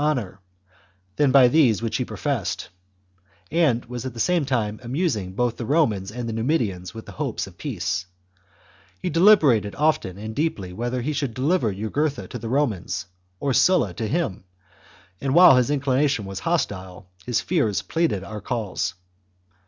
"^ honour" than by these which he professed, and was at the same time amusing both the Romans and the Numidians with the hopes of peace ; he deUberated often and deeply whether he should deliver Jugurtha to the Romans or Sulla to him, and while his inclina CHAP. tion was hostile, his fears pleaded our cause.